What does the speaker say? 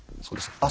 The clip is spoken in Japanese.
そうです。